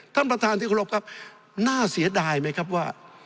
ท่านประธานที่เคารพครับน่าเสียดายไหมครับว่า